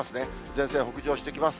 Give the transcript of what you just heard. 前線北上してきます。